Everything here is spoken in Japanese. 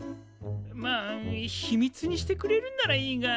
まあ秘密にしてくれるんならいいが。